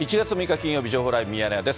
金曜日、情報ライブミヤネ屋です。